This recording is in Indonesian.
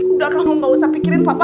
udah kamu gak usah pikirin papa